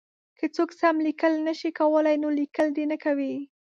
که څوک سم لیکل نه شي کولای نو لیکل دې نه کوي.